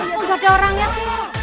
kok gak ada orangnya tuh